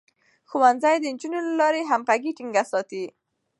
ښوونځی د نجونو له لارې همغږي ټينګه ساتي.